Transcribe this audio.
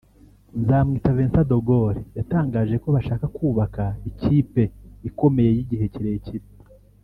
Nzamwita Vincent De Gaulle yatangaje ko bashaka kubaka ikipe ikomeye y’igihe kirekire